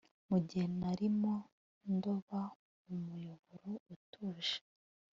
Mugihe narimo ndoba mu muyoboro utuje